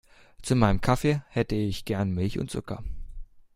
Zu meinem Kaffee hätte ich gern Milch und Zucker.